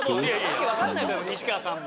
訳わかんないだろ「西川」さんも。